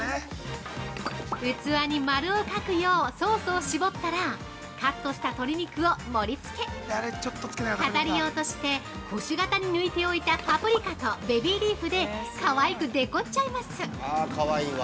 ◆器に丸を描くようソースを絞ったらカットした鶏肉を盛り付け飾り用として星形に抜いておいたパプリカとベビーリーフでかわいくデコっちゃいます。